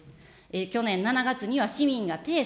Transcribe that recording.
去年７月には市民が提訴。